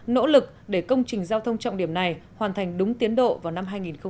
nỗ lực để công trình giao thông trọng điểm này hoàn thành đúng tiến độ vào năm hai nghìn hai mươi